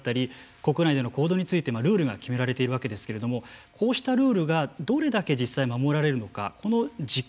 それぞれ検査の徹底だったり国内での行動についてルールが決められているわけですけれどもこうしたルールがどれだけ実際守られるのか。